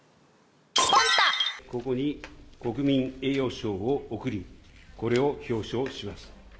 ここに国民栄誉賞を贈り、これを表彰します。